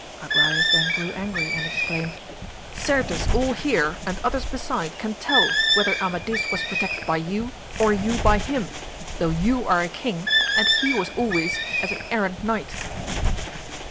Agrayes then grew angry and exclaimed, Certes all here, and others beside can tell whether Amadis was protected by you or you by him, though you are a king and he was always as an errant knight.